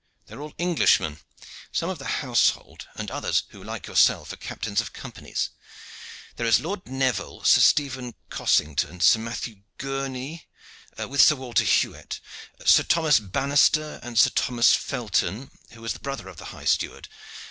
"They are all Englishmen, some of the household and others who like yourself, are captains of companies. There is Lord Neville, Sir Stephen Cossington, and Sir Matthew Gourney, with Sir Walter Huet, Sir Thomas Banaster, and Sir Thomas Felton, who is the brother of the high steward.